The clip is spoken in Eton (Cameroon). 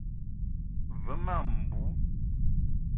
Ve ma mbou.